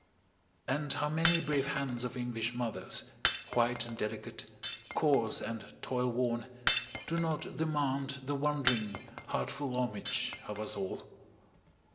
And how many brave hands of English mothers, white and delicate, coarse and toil worn, do not demand the wondering, heart full homage of us all?